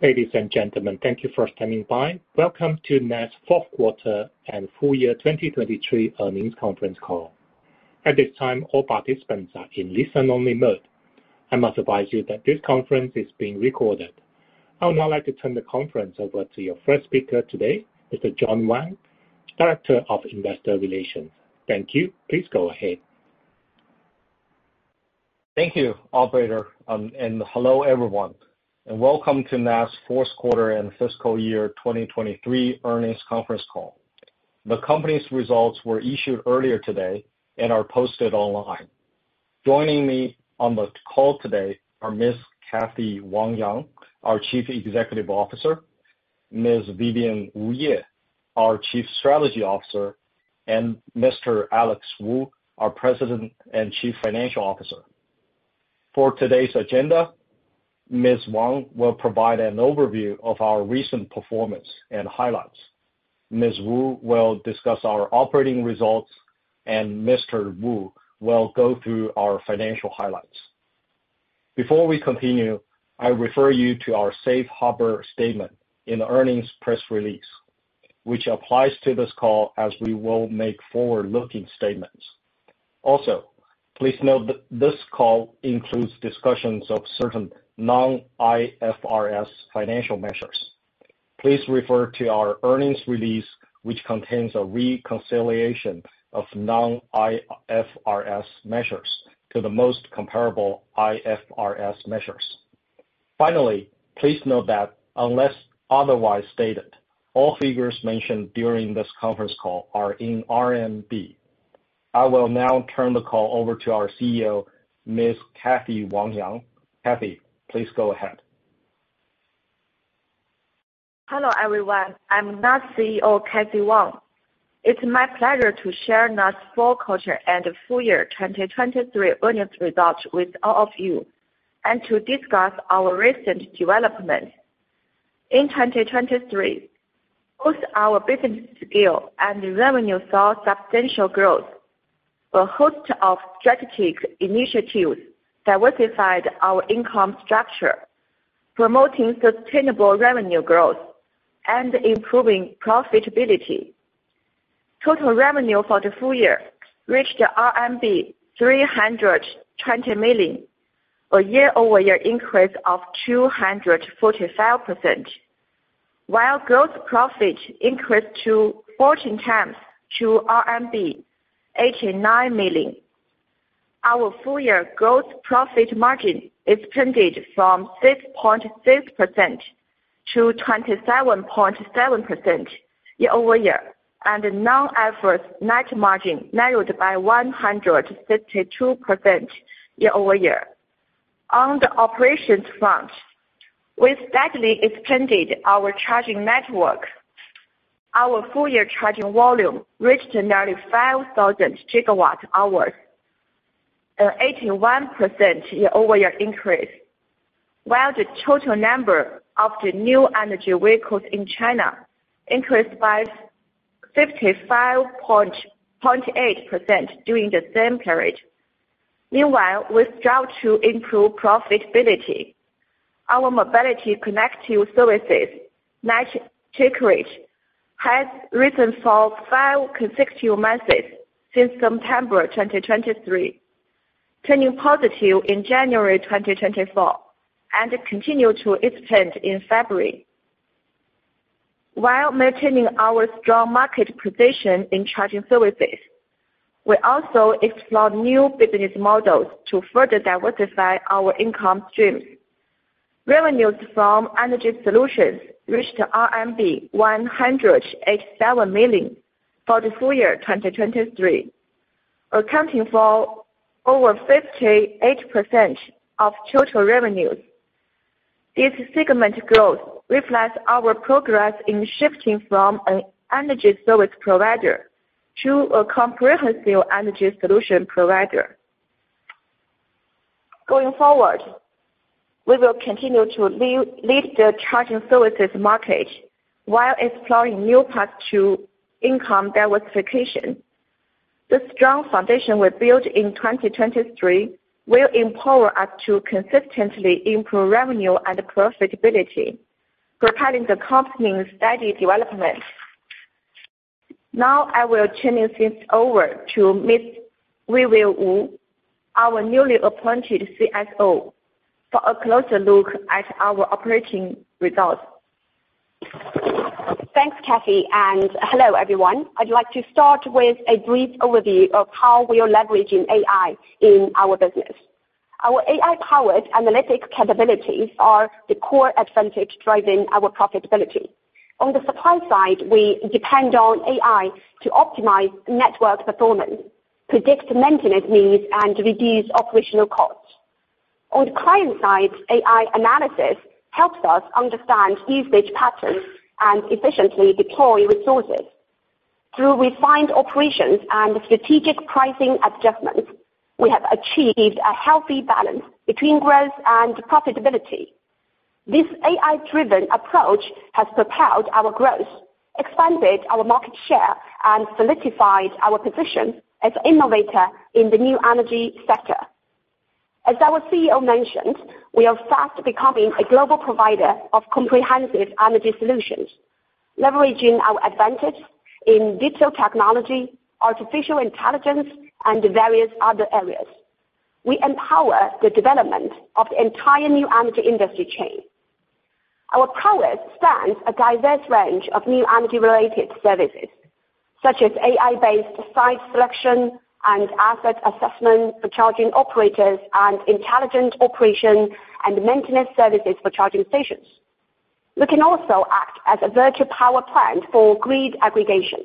Ladies and gentlemen, thank you for standing by. Welcome to NaaS's fourth quarter and full year 2023 earnings conference call. At this time, all participants are in listen-only mode. I must advise you that this conference is being recorded. I would now like to turn the conference over to your first speaker today, Mr. John Wang, Director of Investor Relations. Thank you. Please go ahead. Thank you, operator, and hello, everyone, and welcome to NaaS's fourth quarter and fiscal year 2023 earnings conference call. The company's results were issued earlier today and are posted online. Joining me on the call today are Ms. Cathy Wang, our Chief Executive Officer, Ms. Vivian Wu, our Chief Strategy Officer, and Mr. Alex Wu, our President and Chief Financial Officer. For today's agenda, Ms. Wang will provide an overview of our recent performance and highlights. Ms. Wu will discuss our operating results, and Mr. Wu will go through our financial highlights. Before we continue, I refer you to our safe harbor statement in the earnings press release, which applies to this call as we will make forward-looking statements. Also, please note that this call includes discussions of certain non-IFRS financial measures. Please refer to our earnings release, which contains a reconciliation of non-IFRS measures to the most comparable IFRS measures. Finally, please note that unless otherwise stated, all figures mentioned during this conference call are in Renminbi. I will now turn the call over to our CEO, Ms. Cathy Wang. Cathy, please go ahead. Hello, everyone. I'm NaaS CEO, Cathy Wang. It's my pleasure to share NaaS's fourth quarter and full year 2023 earnings results with all of you, and to discuss our recent developments. In 2023, both our business scale and revenue saw substantial growth. A host of strategic initiatives diversified our income structure, promoting sustainable revenue growth and improving profitability. Total revenue for the full year reached RMB 320 million, a year-over-year increase of 245%, while gross profit increased to 14 times to RMB 89 million. Our full-year gross profit margin expanded from 6.6% to 27.7% year-over-year, and non-IFRS net margin narrowed by 152% year-over-year. On the operations front, we steadily expanded our charging network. Our full year charging volume reached nearly 5,000 GWh, an 81% year-over-year increase, while the total number of the new energy vehicles in China increased by 55.8% during the same period. Meanwhile, we strived to improve profitability. Our mobility connectivity services net take rate has risen for five consecutive months since September 2023, turning positive in January 2024, and it continued to expand in February. While maintaining our strong market position in charging services, we also explored new business models to further diversify our income streams. Revenues from energy solutions reached RMB 187 million for the full year 2023, accounting for over 58% of total revenues. This segment growth reflects our progress in shifting from an energy service provider to a comprehensive energy solution provider. Going forward, we will continue to lead the charging services market while exploring new paths to income diversification. The strong foundation we built in 2023 will empower us to consistently improve revenue and profitability, propelling the company's steady development. Now, I will turn this over to Ms. Vivian Wu, our newly appointed CSO, for a closer look at our operating results. Thanks, Cathy, and hello, everyone. I'd like to start with a brief overview of how we are leveraging AI in our business. Our AI-powered analytics capabilities are the core advantage driving our profitability. On the supply side, we depend on AI to optimize network performance, predict maintenance needs, and reduce operational costs. On the client side, AI analysis helps us understand usage patterns and efficiently deploy resources. Through refined operations and strategic pricing adjustments, we have achieved a healthy balance between growth and profitability. This AI-driven approach has propelled our growth, expanded our market share, and solidified our position as an innovator in the new energy sector.... As our CEO mentioned, we are fast becoming a global provider of comprehensive energy solutions, leveraging our advantage in digital technology, artificial intelligence, and various other areas. We empower the development of the entire new energy industry chain. Our prowess spans a diverse range of new energy-related services, such as AI-based site selection and asset assessment for charging operators, and intelligent operation and maintenance services for charging stations. We can also act as a virtual power plant for grid aggregation.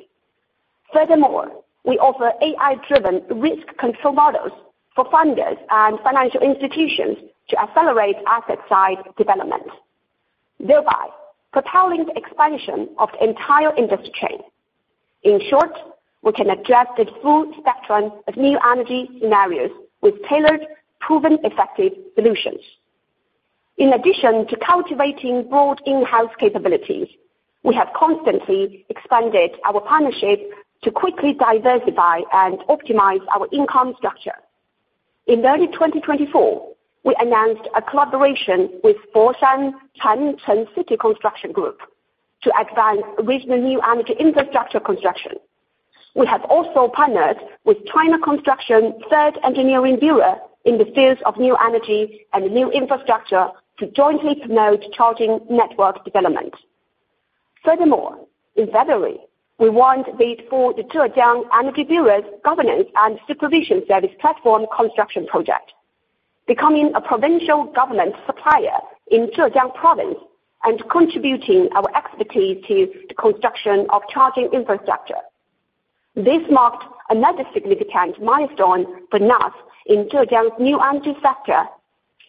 Furthermore, we offer AI-driven risk control models for funders and financial institutions to accelerate asset side development, thereby propelling the expansion of the entire industry chain. In short, we can address the full spectrum of new energy scenarios with tailored, proven, effective solutions. In addition to cultivating broad in-house capabilities, we have constantly expanded our partnership to quickly diversify and optimize our income structure. In early 2024, we announced a collaboration with Foshan Chancheng City Construction Group to advance regional new energy infrastructure construction. We have also partnered with China Construction Third Engineering Bureau in the fields of new energy and new infrastructure to jointly promote charging network development. Furthermore, in February, we won the bid for the Zhejiang Energy Bureau's governance and supervision service platform construction project, becoming a provincial government supplier in Zhejiang Province and contributing our expertise to the construction of charging infrastructure. This marked another significant milestone for NaaS in Zhejiang's new energy sector,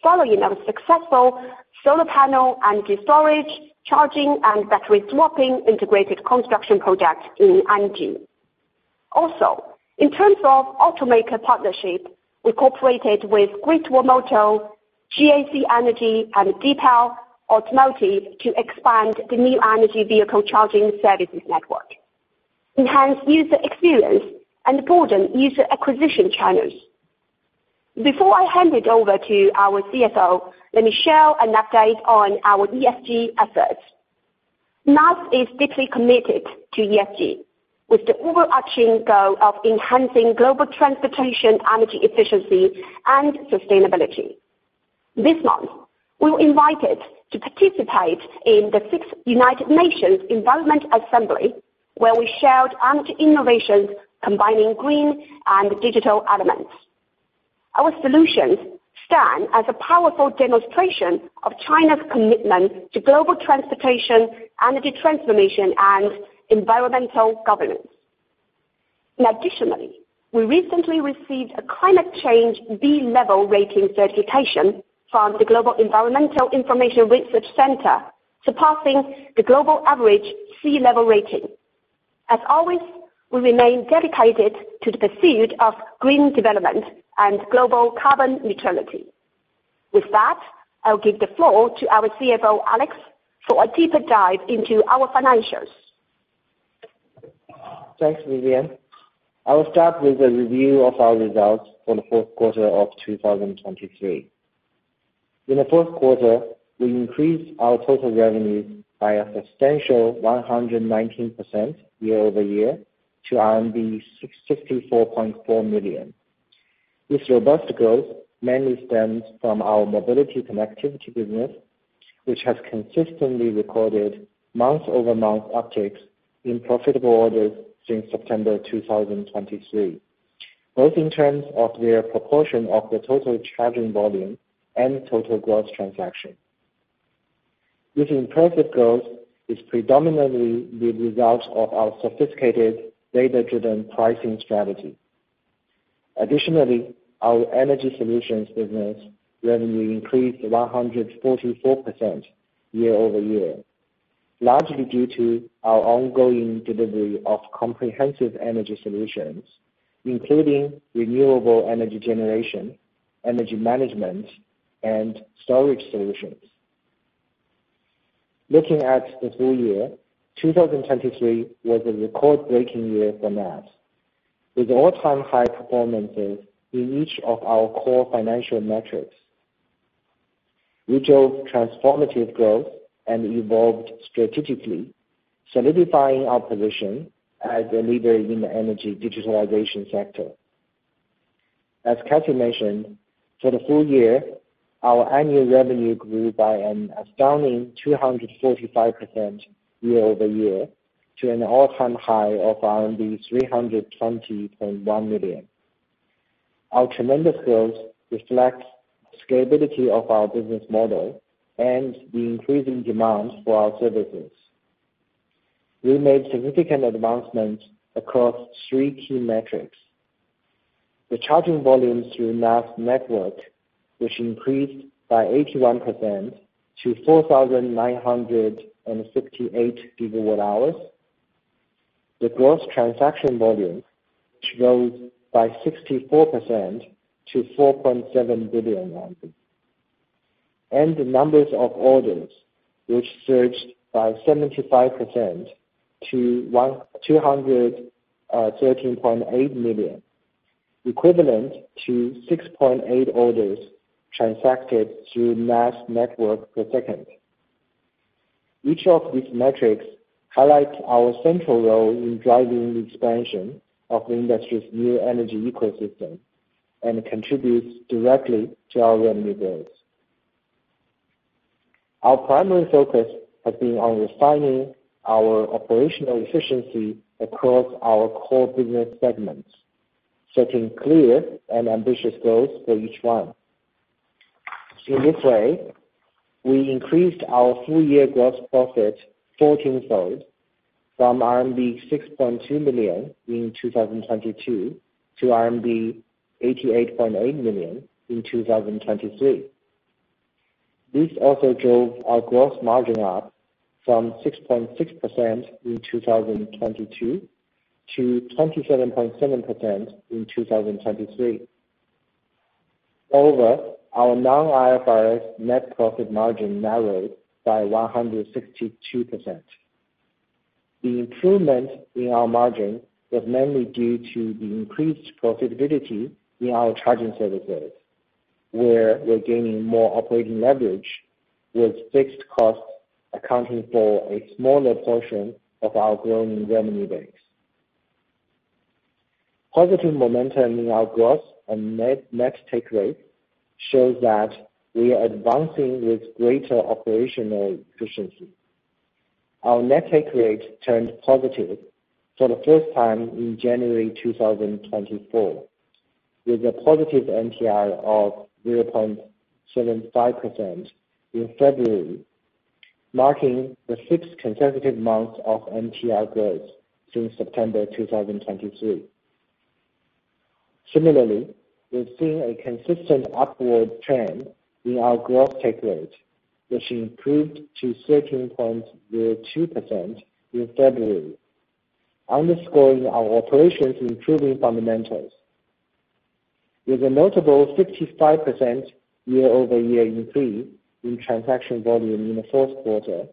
following our successful solar panel, energy storage, charging, and battery swapping integrated construction project in Anji. Also, in terms of automaker partnership, we cooperated with Great Wall Motor, GAC Energy, and Deepal Automotive to expand the new energy vehicle charging services network, enhance user experience, and broaden user acquisition channels. Before I hand it over to our CFO, let me share an update on our ESG efforts. NaaS is deeply committed to ESG, with the overarching goal of enhancing global transportation, energy efficiency, and sustainability. This month, we were invited to participate in the sixth United Nations Environment Assembly, where we shared energy innovations combining green and digital elements. Our solutions stand as a powerful demonstration of China's commitment to global transportation, energy transformation, and environmental governance. Additionally, we recently received a climate change B-level rating certification from the Global Environmental Information Research Center, surpassing the global average C-level rating. As always, we remain dedicated to the pursuit of green development and global carbon neutrality. With that, I'll give the floor to our CFO, Alex, for a deeper dive into our financials. Thanks, Vivian. I will start with a review of our results for the fourth quarter of 2023. In the fourth quarter, we increased our total revenues by a substantial 119% year-over-year to RMB 664.4 million. This robust growth mainly stems from our mobility connectivity business, which has consistently recorded month-over-month upticks in profitable orders since September 2023, both in terms of their proportion of the total charging volume and total gross transaction. This impressive growth is predominantly the result of our sophisticated data-driven pricing strategy. Additionally, our energy solutions business revenue increased 144% year-over-year, largely due to our ongoing delivery of comprehensive energy solutions, including renewable energy generation, energy management, and storage solutions. Looking at the full year, 2023 was a record-breaking year for NaaS, with all-time high performances in each of our core financial metrics, which drove transformative growth and evolved strategically, solidifying our position as a leader in the energy digitalization sector. As Cathy mentioned, for the full year, our annual revenue grew by an astounding 245% year over year to an all-time high of 320.1 million. Our tremendous growth reflects the scalability of our business model and the increasing demand for our services. We made significant advancements across three key metrics: the charging volumes through NaaS network, which increased by 81% to 4,968 GWh; the gross transaction volume, which rose by 64% to 4.7 billion;... the numbers of orders, which surged by 75% to 1,213.8 million, equivalent to 6.8 orders transacted through NaaS network per second. Each of these metrics highlight our central role in driving the expansion of the industry's new energy ecosystem, and contributes directly to our revenue growth. Our primary focus has been on refining our operational efficiency across our core business segments, setting clear and ambitious goals for each one. In this way, we increased our full year gross profit 14-fold from RMB 6.2 million in 2022 to RMB 88.8 million in 2023. This also drove our gross margin up from 6.6% in 2022 to 27.7% in 2023. Overall, our non-IFRS net profit margin narrowed by 162%. The improvement in our margin was mainly due to the increased profitability in our charging services, where we're gaining more operating leverage with fixed costs, accounting for a smaller portion of our growing revenue base. Positive momentum in our gross and net, net take rate shows that we are advancing with greater operational efficiency. Our net take rate turned positive for the first time in January 2024, with a positive NTR of 0.75% in February, marking the sixth consecutive month of NTR growth since September 2023. Similarly, we've seen a consistent upward trend in our gross take rate, which improved to 13.02% in February, underscoring our operations' improving fundamentals. With a notable 55% year-over-year increase in transaction volume in the first quarter,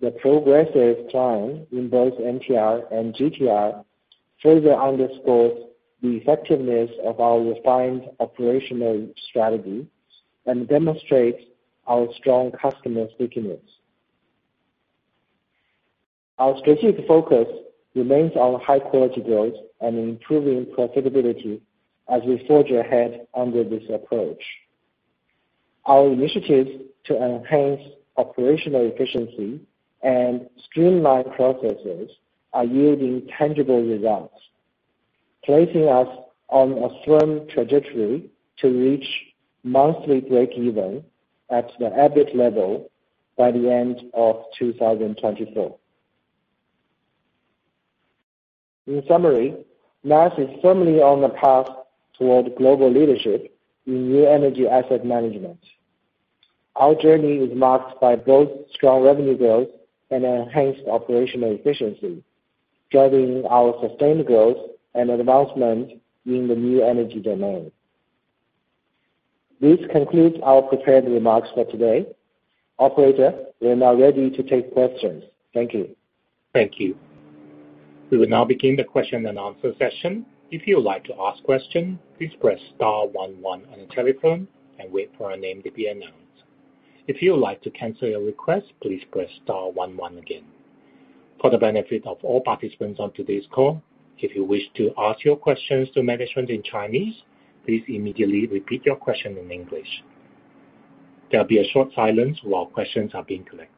the progressive climb in both NTR and GTR further underscores the effectiveness of our refined operational strategy and demonstrates our strong customer stickiness. Our strategic focus remains on high-quality growth and improving profitability as we forge ahead under this approach. Our initiatives to enhance operational efficiency and streamline processes are yielding tangible results, placing us on a firm trajectory to reach monthly breakeven at the EBIT level by the end of 2024. In summary, NaaS is firmly on the path toward global leadership in new energy asset management. Our journey is marked by both strong revenue growth and enhanced operational efficiency, driving our sustained growth and advancement in the new energy domain. This concludes our prepared remarks for today. Operator, we are now ready to take questions. Thank you. Thank you. We will now begin the question and answer session. If you would like to ask question, please press star one one on your telephone and wait for your name to be announced. If you would like to cancel your request, please press star one one again. For the benefit of all participants on today's call, if you wish to ask your questions to management in Chinese, please immediately repeat your question in English. There'll be a short silence while questions are being collected.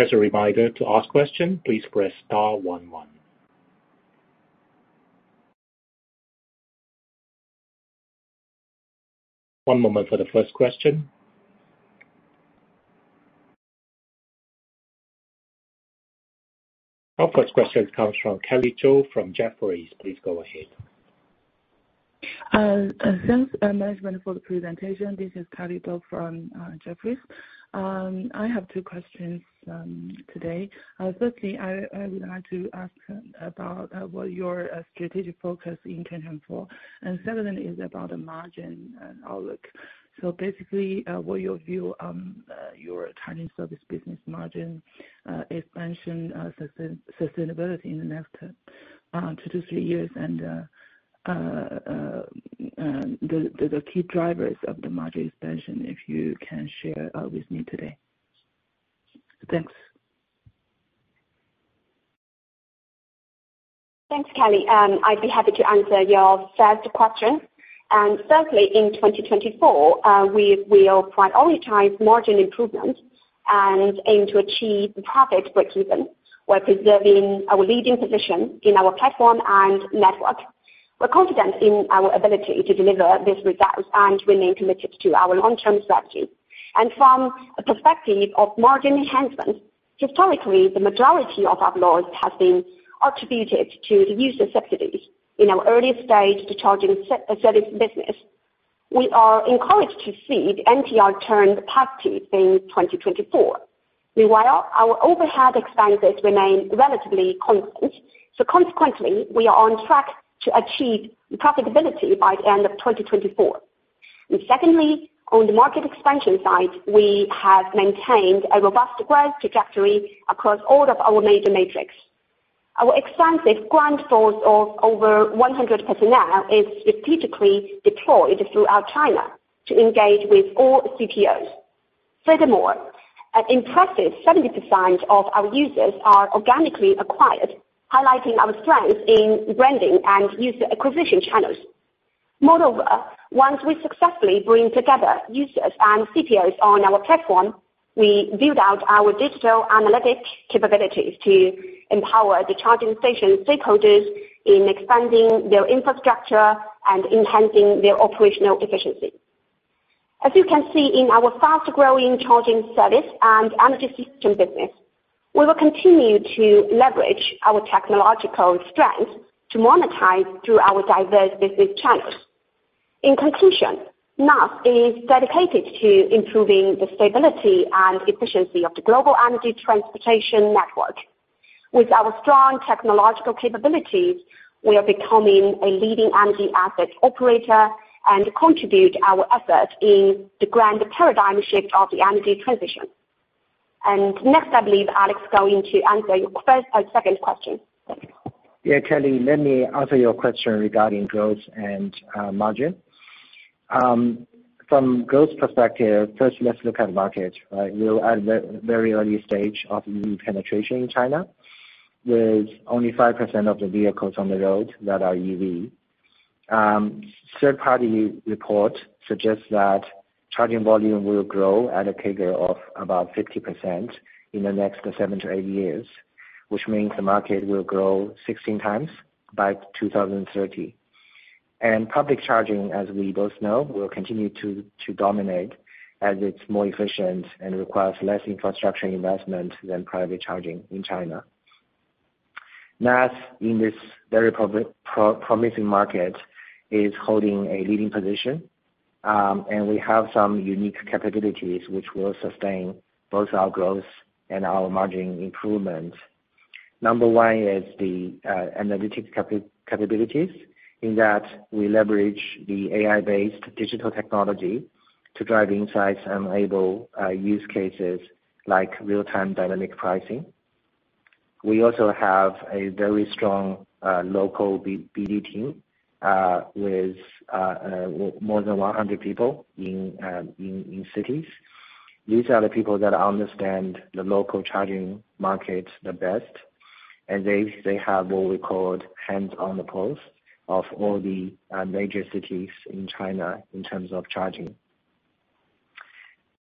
As a reminder, to ask question, please press star one one. One moment for the first question. Our first question comes from Kelly Zou from Jefferies. Please go ahead. Thanks, management for the presentation. This is Kelly Zou from Jefferies. I have two questions today. Firstly, I would like to ask about what your strategic focus in 2024, and secondly is about the margin and outlook. So basically, what your view on your charging service business margin expansion sustainability in the next two to three years? And the key drivers of the margin expansion, if you can share with me today. Thanks. Thanks, Kelly. I'd be happy to answer your first question. Firstly, in 2024, we will prioritize margin improvement and aim to achieve profit breakeven, while preserving our leading position in our platform and network. We're confident in our ability to deliver these results and remain committed to our long-term strategy. From a perspective of margin enhancement, historically, the majority of our loss has been attributed to the user subsidies in our early stage, the charging service business. We are encouraged to see the NTR turn positive in 2024. Meanwhile, our overhead expenses remain relatively constant, so consequently, we are on track to achieve profitability by the end of 2024. Secondly, on the market expansion side, we have maintained a robust growth trajectory across all of our major metrics. Our expansive ground force of over 100 personnel is strategically deployed throughout China to engage with all CPOs. Furthermore, an impressive 70% of our users are organically acquired, highlighting our strength in branding and user acquisition channels. Moreover, once we successfully bring together users and CPOs on our platform, we build out our digital analytic capabilities to empower the charging station stakeholders in expanding their infrastructure and enhancing their operational efficiency. As you can see in our fast-growing charging service and energy system business, we will continue to leverage our technological strength to monetize through our diverse business channels. In conclusion, NaaS is dedicated to improving the stability and efficiency of the global energy transportation network. With our strong technological capabilities, we are becoming a leading energy asset operator and contribute our efforts in the grand paradigm shift of the energy transition. Next, I believe Alex is going to answer your first or second question. Thank you. Yeah, Kelly, let me answer your question regarding growth and margin. From growth perspective, first, let's look at market, right? We're at a very early stage of EV penetration in China, with only 5% of the vehicles on the road that are EV. Third-party report suggests that charging volume will grow at a CAGR of about 50% in the next seven-eight years, which means the market will grow 16 times by 2030. And public charging, as we both know, will continue to dominate as it's more efficient and requires less infrastructure investment than private charging in China. NaaS, in this very promising market, is holding a leading position, and we have some unique capabilities which will sustain both our growth and our margin improvement. Number one is the analytics capabilities, in that we leverage the AI-based digital technology to drive insights and enable use cases like real-time dynamic pricing. We also have a very strong local BD team with more than 100 people in cities. These are the people that understand the local charging market the best, and they have what we call hands on the pulse of all the major cities in China in terms of charging.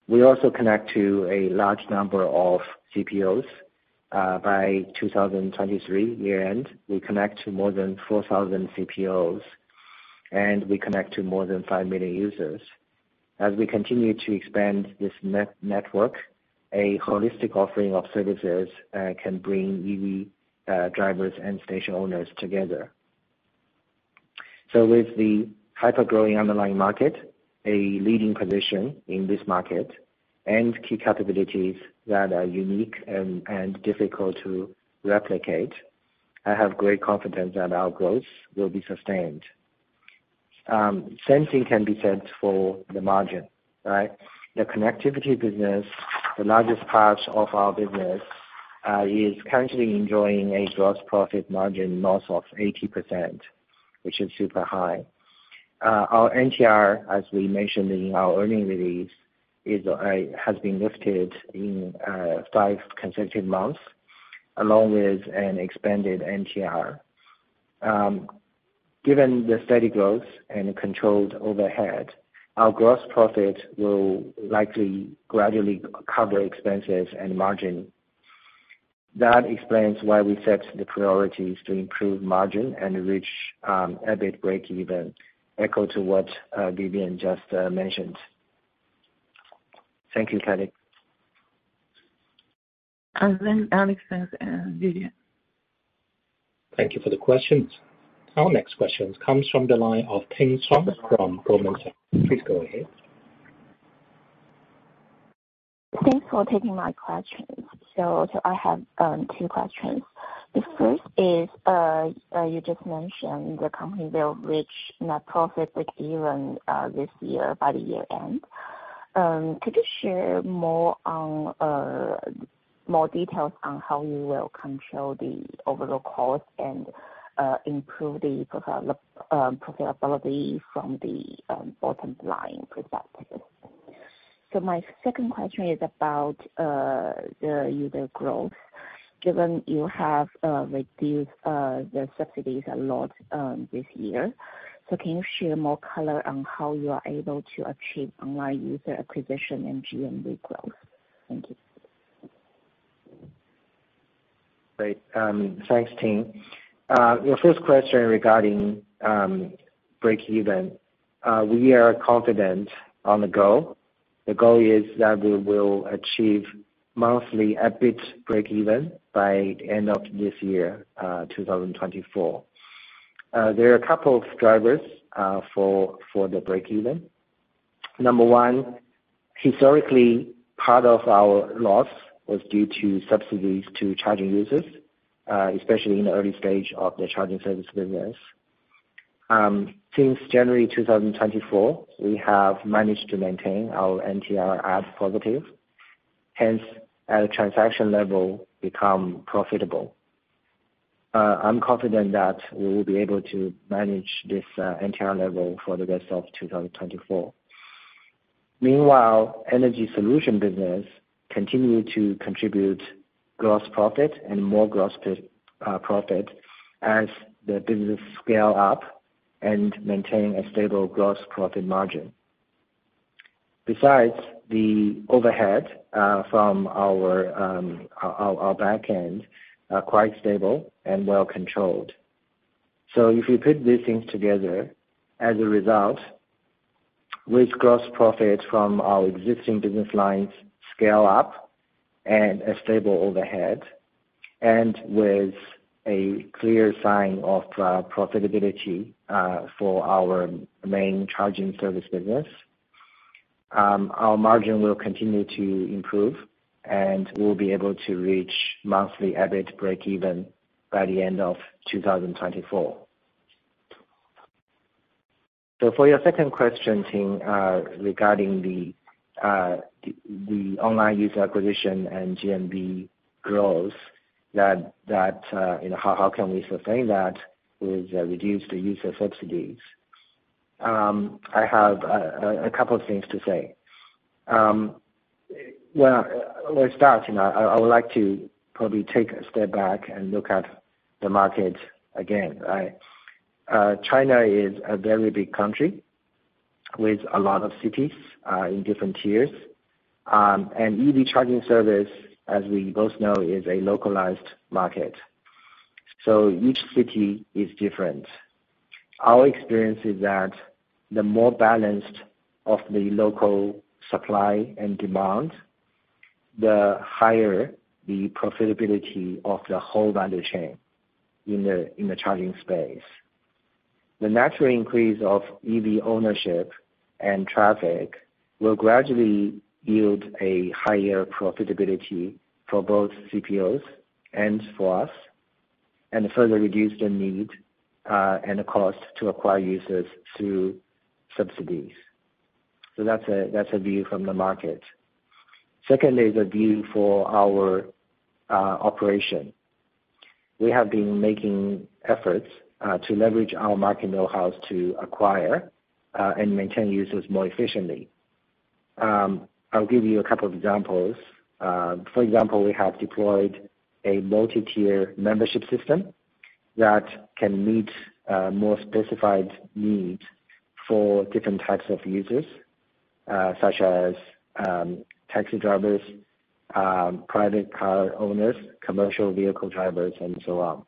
We also connect to a large number of CPOs. By 2023 year-end, we connect to more than 4,000 CPOs, and we connect to more than five million users. As we continue to expand this network, a holistic offering of services can bring EV drivers and station owners together. With the hyper-growing underlying market, a leading position in this market, and key capabilities that are unique and, and difficult to replicate, I have great confidence that our growth will be sustained. Same thing can be said for the margin, right? The connectivity business, the largest part of our business, is currently enjoying a gross profit margin north of 80%, which is super high. Our NTR, as we mentioned in our earnings release, has been lifted in 5 consecutive months, along with an expanded NTR. Given the steady growth and controlled overhead, our gross profit will likely gradually cover expenses and margin. That explains why we set the priorities to improve margin and reach EBIT breakeven, echoing what Vivian just mentioned. Thank you, Kelly. And then Alex and Vivian. Thank you for the questions. Our next question comes from the line of Timothy Zhao from Goldman Sachs. Please go ahead. Thanks for taking my questions. So I have two questions. The first is, you just mentioned the company will reach net profit breakeven this year by the year-end. Could you share more on more details on how you will control the overall cost and improve the profitability from the bottom line perspective? So my second question is about the user growth, given you have reduced the subsidies a lot this year. So can you share more color on how you are able to achieve online user acquisition and GMV growth?... Great. Thanks, Tim. Your first question regarding breakeven. We are confident on the goal. The goal is that we will achieve monthly EBIT breakeven by end of this year, 2024. There are a couple of drivers for the breakeven. Number one, historically, part of our loss was due to subsidies to charging users, especially in the early stage of the charging service business. Since January 2024, we have managed to maintain our NTR at positive, hence our transaction level become profitable. I'm confident that we will be able to manage this NTR level for the rest of 2024. Meanwhile, energy solution business continue to contribute gross profit and more gross profit as the business scale up and maintain a stable gross profit margin. Besides, the overhead from our back end are quite stable and well controlled. So if you put these things together, as a result, with gross profit from our existing business lines scale up and a stable overhead, and with a clear sign of profitability for our main charging service business, our margin will continue to improve, and we'll be able to reach monthly EBIT breakeven by the end of 2024. So for your second question, Tim, regarding the online user acquisition and GMV growth, you know, how can we sustain that with reduce the user subsidies? I have a couple of things to say. Well, let's start, you know, I would like to probably take a step back and look at the market again, right? China is a very big country with a lot of cities in different tiers. EV charging service, as we both know, is a localized market, so each city is different. Our experience is that the more balanced of the local supply and demand, the higher the profitability of the whole value chain in the charging space. The natural increase of EV ownership and traffic will gradually yield a higher profitability for both CPOs and for us, and further reduce the need and the cost to acquire users through subsidies. So that's a view from the market. Secondly, is a view for our operation. We have been making efforts to leverage our market know-hows to acquire and maintain users more efficiently. I'll give you a couple of examples. For example, we have deployed a multi-tier membership system that can meet more specified needs for different types of users, such as taxi drivers, private car owners, commercial vehicle drivers, and so on.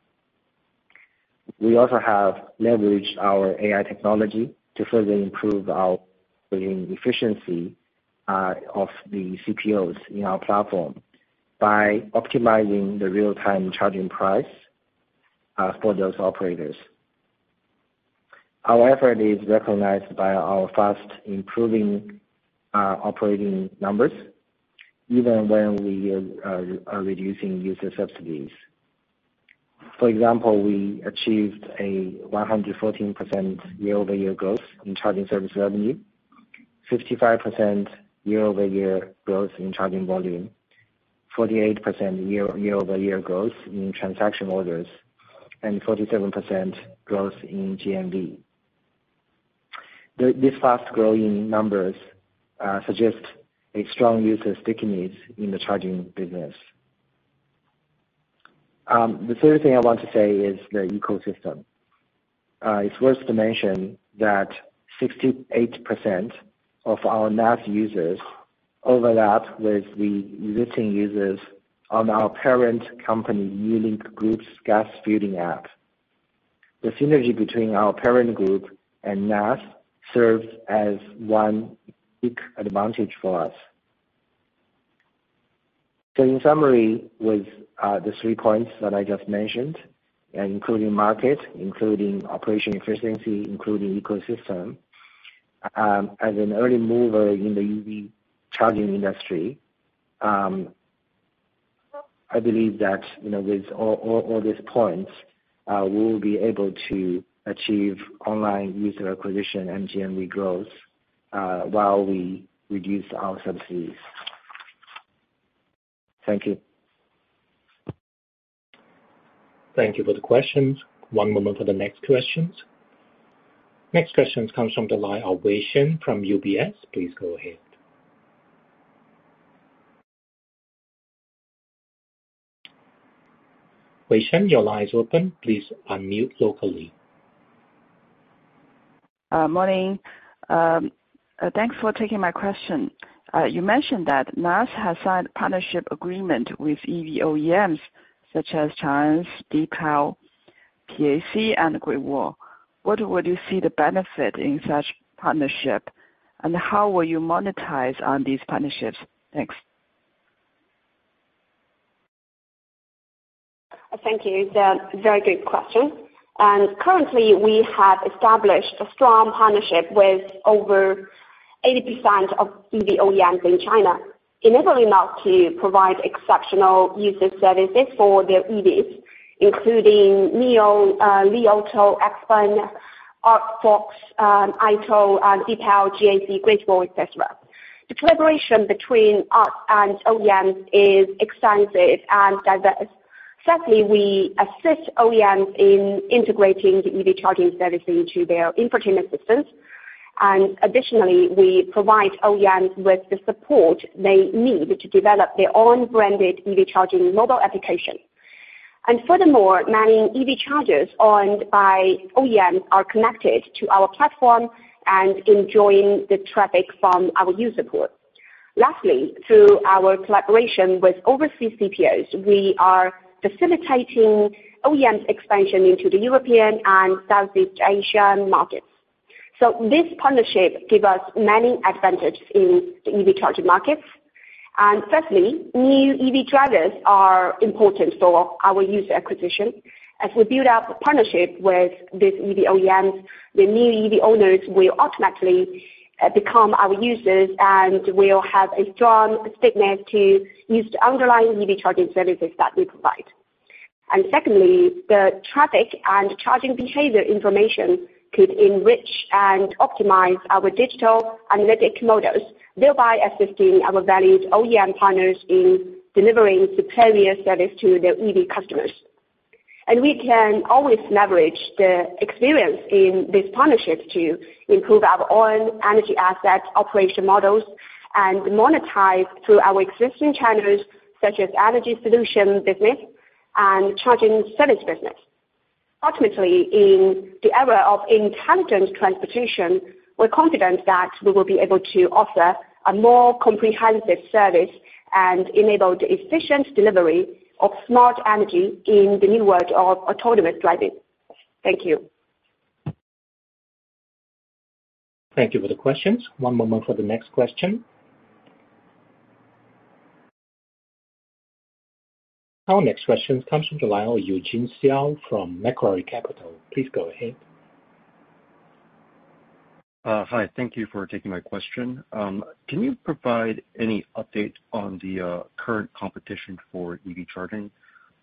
We also have leveraged our AI technology to further improve our efficiency of the CPOs in our platform by optimizing the real-time charging price for those operators. Our effort is recognized by our fast improving operating numbers, even when we are reducing user subsidies. For example, we achieved a 114% year-over-year growth in charging service revenue, 55% year-over-year growth in charging volume, 48% year-over-year growth in transaction orders, and 47% growth in GMV. These fast growing numbers suggest a strong user stickiness in the charging business. The third thing I want to say is the ecosystem. It's worth to mention that 68% of our NaaS users overlap with the existing users on our parent company, Newlink Group's gas filling app. The synergy between our parent group and NaaS serves as one big advantage for us. So in summary, with the three points that I just mentioned, including market, including operation efficiency, including ecosystem, as an early mover in the EV charging industry, I believe that, you know, with all, all, all these points, we'll be able to achieve online user acquisition and GMV growth, while we reduce our subsidies. Thank you. Thank you for the questions. One moment for the next questions. Next question comes from the line of Wei Xiong from UBS. Please go ahead. Wei Xiong, your line is open. Please unmute locally.... morning. Thanks for taking my question. You mentioned that NaaS has signed a partnership agreement with EV OEMs, such as Changan, Deepal, GAC, and Great Wall. What would you see the benefit in such partnership, and how will you monetize on these partnerships? Thanks. Thank you. They are very good question. Currently, we have established a strong partnership with over 80% of EV OEMs in China, enabling us to provide exceptional user services for their EVs, including NIO, Li Auto, XPeng, ArcFox, AITO, Deepal, GAC, Great Wall, et cetera. The collaboration between us and OEMs is extensive and diverse. Secondly, we assist OEMs in integrating the EV charging service into their infotainment systems. Additionally, we provide OEMs with the support they need to develop their own branded EV charging mobile application. Furthermore, many EV chargers owned by OEMs are connected to our platform and enjoying the traffic from our user pool. Lastly, through our collaboration with overseas CPOs, we are facilitating OEMs expansion into the European and Southeast Asian markets. So this partnership give us many advantages in the EV charging markets. Firstly, new EV chargers are important for our user acquisition. As we build up partnership with these EV OEMs, the new EV owners will automatically become our users and will have a strong statement to use the underlying EV charging services that we provide. Secondly, the traffic and charging behavior information could enrich and optimize our digital analytic models, thereby assisting our valued OEM partners in delivering superior service to their EV customers. We can always leverage the experience in these partnerships to improve our own energy assets, operation models, and monetize through our existing channels, such as energy solution business and charging service business. Ultimately, in the era of intelligent transportation, we're confident that we will be able to offer a more comprehensive service and enable the efficient delivery of smart energy in the new world of autonomous driving. Thank you. Thank you for the questions. One moment for the next question. Our next question comes from the line of Eugene Hsiao from Macquarie Capital. Please go ahead. Hi, thank you for taking my question. Can you provide any update on the current competition for EV charging?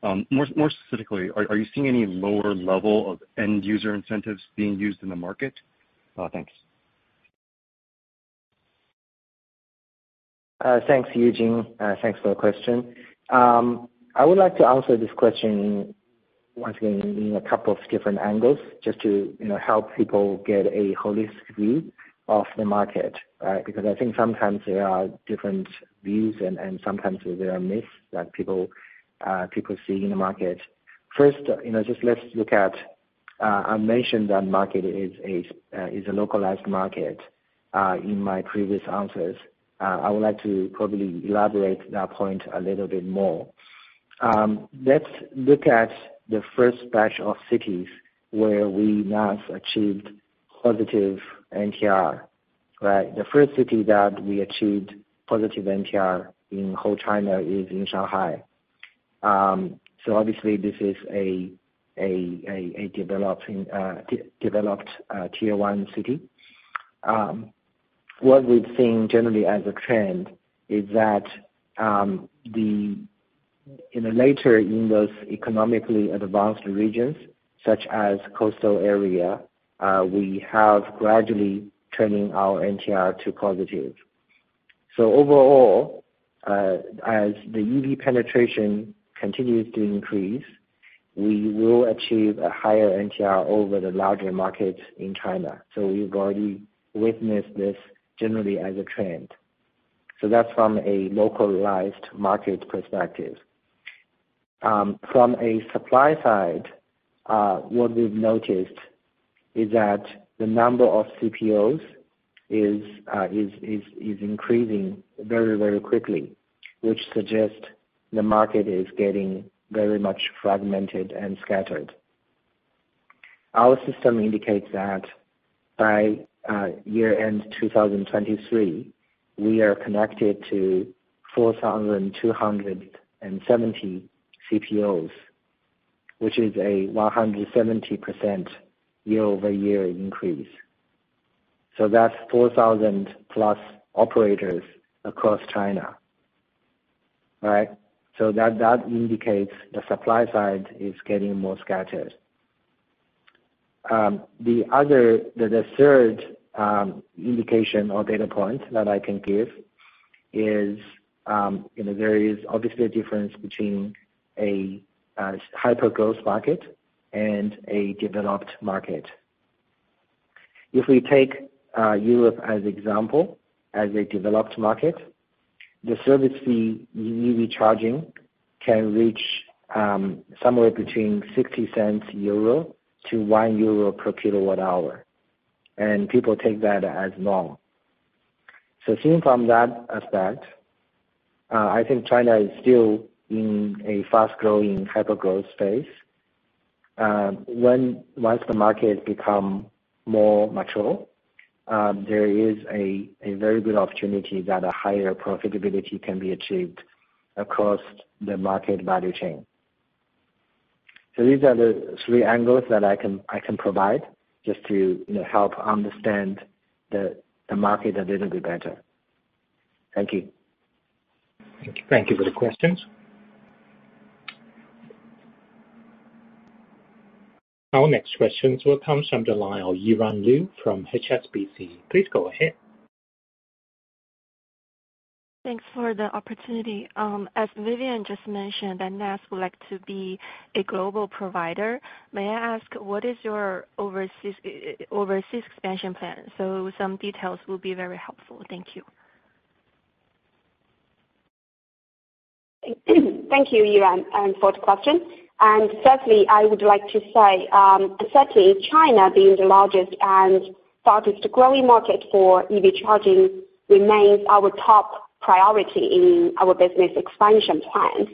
More specifically, are you seeing any lower level of end user incentives being used in the market? Thanks. Thanks, Eugene. Thanks for the question. I would like to answer this question once again in a couple of different angles, just to, you know, help people get a holistic view of the market, right? Because I think sometimes there are different views, and, and sometimes there are myths that people, people see in the market. First, you know, just let's look at, I mentioned that market is a, is a localized market, in my previous answers. I would like to probably elaborate that point a little bit more. Let's look at the first batch of cities where we have achieved positive NTR, right? The first city that we achieved positive NTR in whole China is in Shanghai. So obviously, this is a developing, developed, tier one city. What we've seen generally as a trend is that, in the later, in those economically advanced regions, such as coastal area, we have gradually turning our NTR to positive. So overall, as the EV penetration continues to increase, we will achieve a higher NTR over the larger markets in China. So we've already witnessed this generally as a trend. So that's from a localized market perspective. From a supply side, what we've noticed is that the number of CPOs is increasing very, very quickly, which suggests the market is getting very much fragmented and scattered. Our system indicates that by year-end 2023, we are connected to 4,270 CPOs, which is a 170% year-over-year increase. So that's 4,000+ operators across China. Right? So that, that indicates the supply side is getting more scattered. The other, the third indication or data point that I can give is, you know, there is obviously a difference between a hyper-growth market and a developed market. If we take Europe as example, as a developed market, the service fee EV charging can reach somewhere between 0.60-1 euro per kWh, and people take that as normal. So seeing from that aspect, I think China is still in a fast-growing hypergrowth phase. When once the market become more mature, there is a very good opportunity that a higher profitability can be achieved across the market value chain. So these are the three angles that I can provide just to, you know, help understand the market a little bit better. Thank you. Thank you for the questions. Our next questions will come from the line of Charlene Liu from HSBC. Please go ahead. Thanks for the opportunity. As Vivian just mentioned, that NaaS would like to be a global provider. May I ask, what is your overseas expansion plan? So some details will be very helpful. Thank you. Thank you, Charlene, for the question. Certainly, I would like to say, certainly, China being the largest and fastest-growing market for EV charging remains our top priority in our business expansion plans.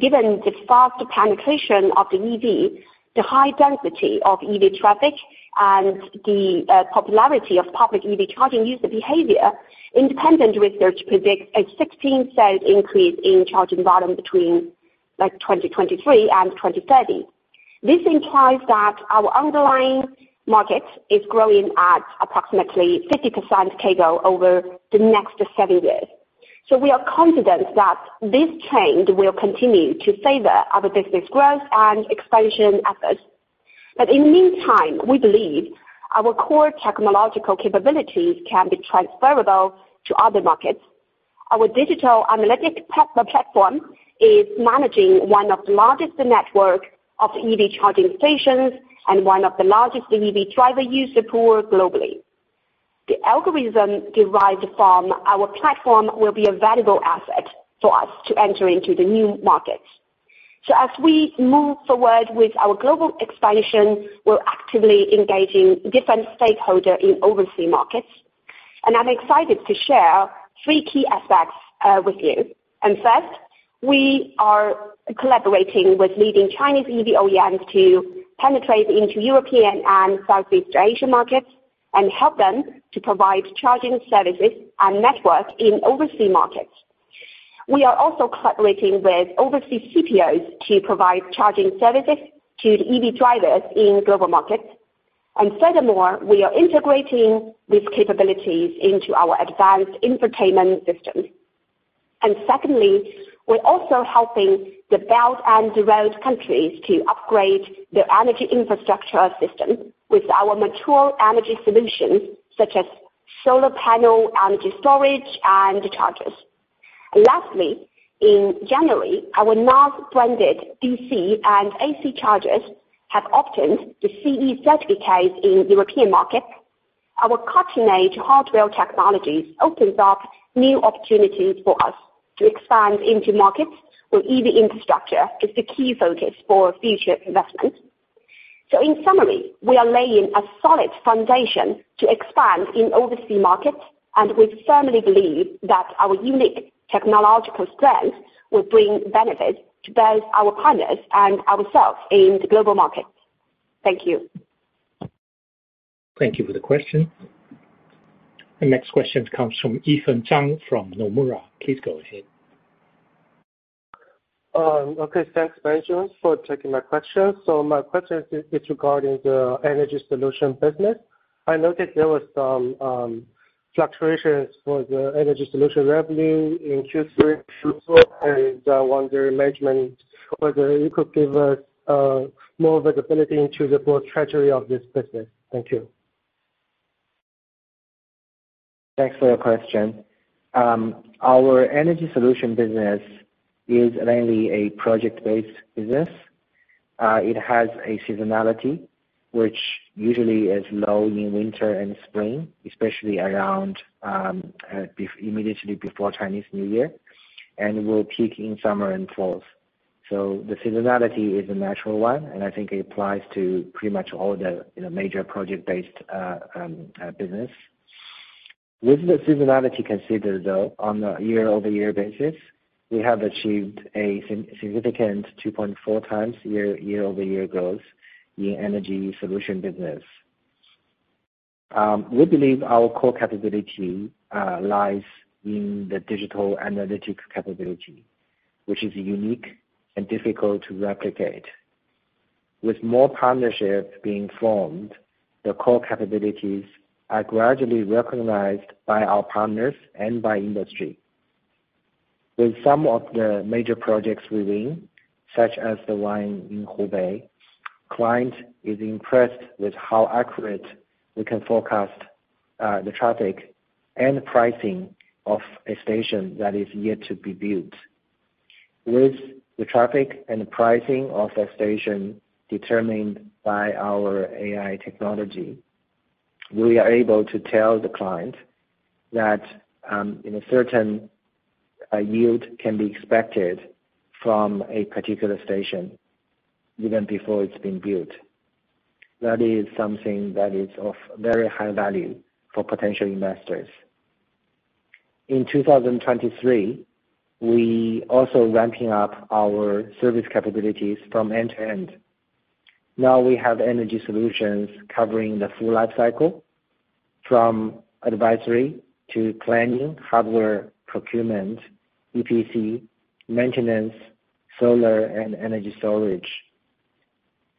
Given the fast penetration of the EV, the high density of EV traffic and the popularity of public EV charging user behavior, independent research predicts a 16-fold increase in charging volume between, like, 2023 and 2030. This implies that our underlying market is growing at approximately 50% CAGR over the next seven years. We are confident that this trend will continue to favor our business growth and expansion efforts. But in the meantime, we believe our core technological capabilities can be transferable to other markets. Our digital analytic platform is managing one of the largest network of EV charging stations and one of the largest EV driver user pool globally. The algorithm derived from our platform will be a valuable asset for us to enter into the new markets. So as we move forward with our global expansion, we're actively engaging different stakeholder in overseas markets, and I'm excited to share three key aspects with you. First, we are collaborating with leading Chinese EV OEMs to penetrate into European and Southeast Asian markets and help them to provide charging services and network in overseas markets. We are also collaborating with overseas CPOs to provide charging services to the EV drivers in global markets. Furthermore, we are integrating these capabilities into our advanced infotainment system. Secondly, we're also helping the Belt and Road countries to upgrade their energy infrastructure system with our mature energy solutions, such as solar panel, energy storage, and chargers. Lastly, in January, our NaaS branded DC and AC chargers have obtained the CE certificates in European markets. Our cutting-edge hardware technologies opens up new opportunities for us to expand into markets where EV infrastructure is the key focus for future investment. In summary, we are laying a solid foundation to expand in overseas markets, and we firmly believe that our unique technological strength will bring benefit to both our partners and ourselves in the global market. Thank you. Thank you for the question. The next question comes from Yifan Zhang from Nomura. Please go ahead. Okay, thanks very much for taking my question. So my question is, is regarding the energy solution business. I noticed there was some fluctuations for the energy solution revenue in Q3 2024, and wonder management, whether you could give us more visibility into the full treasury of this business. Thank you. Thanks for your question. Our energy solution business is mainly a project-based business. It has a seasonality, which usually is low in winter and spring, especially around immediately before Chinese New Year, and will peak in summer and fall. So the seasonality is a natural one, and I think it applies to pretty much all the, you know, major project-based business. With the seasonality considered, though, on a year-over-year basis, we have achieved a significant 2.4 times year-over-year growth in energy solution business. We believe our core capability lies in the digital analytics capability, which is unique and difficult to replicate. With more partnerships being formed, the core capabilities are gradually recognized by our partners and by industry. With some of the major projects we win, such as the one in Hubei, client is impressed with how accurate we can forecast the traffic and pricing of a station that is yet to be built. With the traffic and the pricing of that station determined by our AI technology, we are able to tell the client that, in a certain yield can be expected from a particular station even before it's been built. That is something that is of very high value for potential investors. In 2023, we also ramping up our service capabilities from end to end. Now we have energy solutions covering the full life cycle, from advisory to planning, hardware, procurement, EPC, maintenance, solar and energy storage.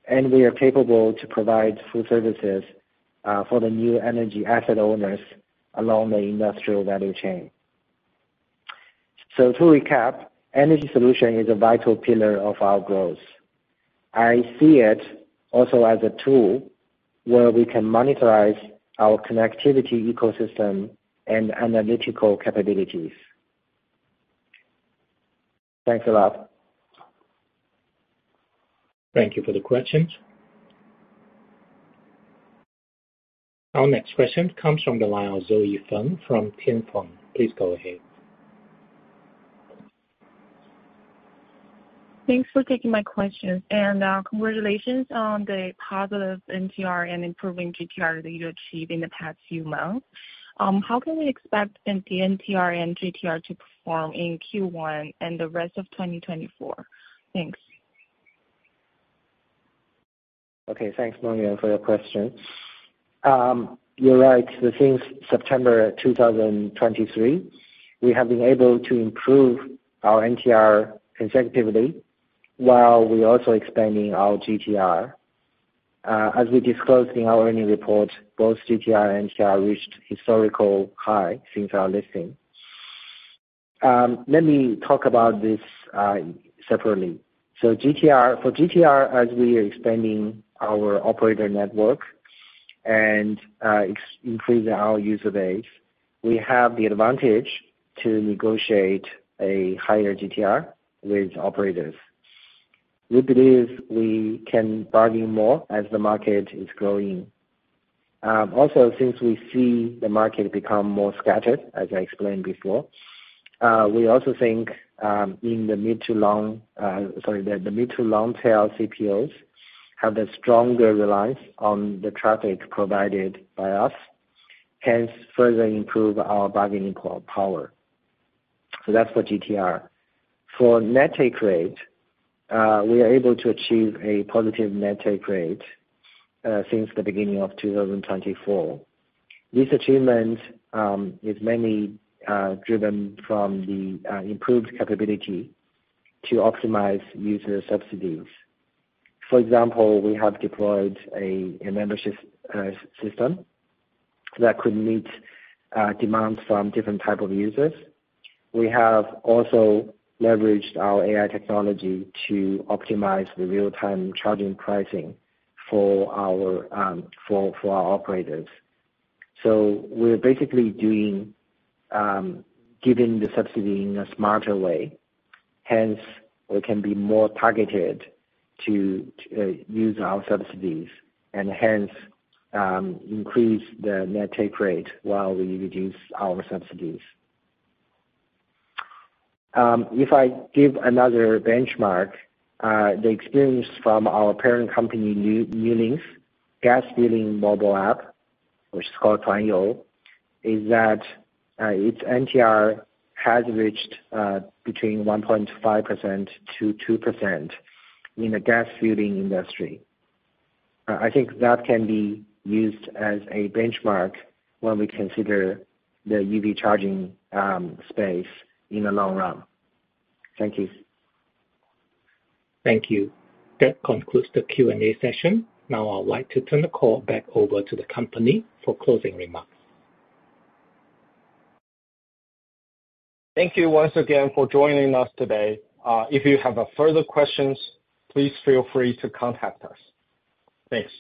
We are capable to provide full services for the new energy asset owners along the industrial value chain. To recap, energy solution is a vital pillar of our growth. I see it also as a tool where we can monetize our connectivity ecosystem and analytical capabilities. Thanks a lot. Thank you for the questions. Our next question comes from the line of Zoe Feng from Ping An Securities. Please go ahead. Thanks for taking my question. Congratulations on the positive NTR and improving GTR that you achieved in the past few months. How can we expect the NTR and GTR to perform in Q1 and the rest of 2024? Thanks. Okay, thanks, Zoe, for your question. You're right that since September 2023, we have been able to improve our NTR consecutively, while we're also expanding our GTR. As we disclosed in our annual report, both GTR and NTR reached historical high since our listing. Let me talk about this separately. So GTR, for GTR, as we are expanding our operator network and increasing our user base, we have the advantage to negotiate a higher GTR with operators. We believe we can bargain more as the market is growing. Also, since we see the market become more scattered, as I explained before, we also think, Sorry, the mid to long tail CPOs have a stronger reliance on the traffic provided by us, hence further improve our bargaining power. So that's for GTR. For net take rate, we are able to achieve a positive net take rate since the beginning of 2024. This achievement is mainly driven from the improved capability to optimize user subsidies. For example, we have deployed a membership system that could meet demands from different type of users. We have also leveraged our AI technology to optimize the real-time charging pricing for our operators. So we're basically doing giving the subsidy in a smarter way. Hence, we can be more targeted to use our subsidies and hence increase the net take rate while we reduce our subsidies. If I give another benchmark, the experience from our parent company, Newlinks Gas Filling mobile app, which is called Tuanyou, is that its NTR has reached between 1.5%-2% in the gas filling industry. I think that can be used as a benchmark when we consider the EV charging space in the long run. Thank you. Thank you. That concludes the Q&A session. Now I'd like to turn the call back over to the company for closing remarks. Thank you once again for joining us today. If you have further questions, please feel free to contact us. Thanks.